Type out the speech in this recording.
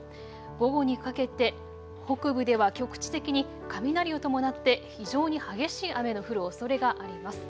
午後にかけて北部では局地的に雷を伴って非常に激しい雨の降るおそれがあります。